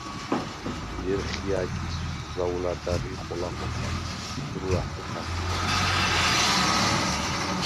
ჲერხ’ა̈გის ზაუ̂ლადა̈ღი ხოლა ხოხა: სურუ ა̈თუ ხა̈მთქუ̂ა.